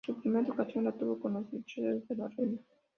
Su primera educación la tuvo con los hechiceros de la reina.